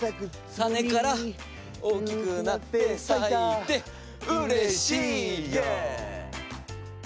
たねから大きくなってさいてうれしいイェー！